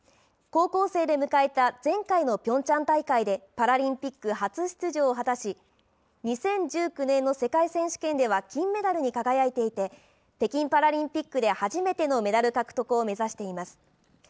高校生で迎えた前回のピョンチャン大会でパラリンピック初出場を果たし、２０１９年の世界選手権では金メダルに輝いていて、北京パラリンピックで初めてのメダル獲得を目指しています。